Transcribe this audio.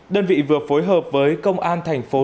đơn vị vừa phối hợp với công an thành phố